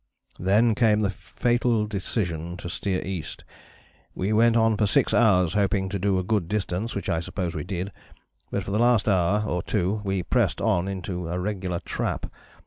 "Then came the fatal decision to steer east. We went on for 6 hours, hoping to do a good distance, which I suppose we did, but for the last hour or two we pressed on into a regular trap.